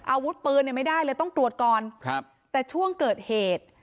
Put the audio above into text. อาวุธปืนเนี่ยไม่ได้เลยต้องตรวจก่อนครับแต่ช่วงเกิดเหตุ